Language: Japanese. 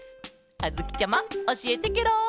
あづきちゃまおしえてケロ！